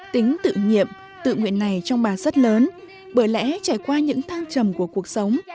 tính tự nhiệm tự nguyện này trong bà rất lớn bởi lẽ trải qua những thăng trầm của cuộc sống